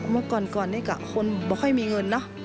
เมื่อก่อนนี่ก็คนไม่ค่อยมีเงิน